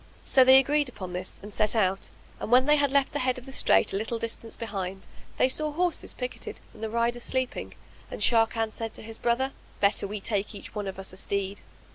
So they agreed upon this and set out; and, when they had left the head of the strait a little distance behind, they saw horses picketed and the riders sleeping: and Sharrkan said to his brother, "Better we take each one of us a steed."